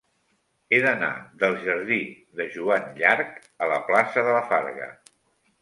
He d'anar del jardí de Joan Llarch a la plaça de la Farga.